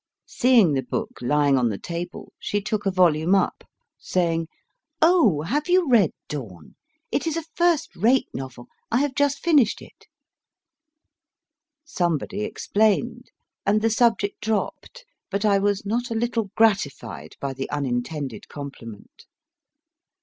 Seeing the book lying on the table, she took a volume up, saying Oh, have you read Dawn ? It is a first rate novel ; I have just finished it. Somebody explained, and the subject dropped, but I was not a little gratified by the unintended compliment.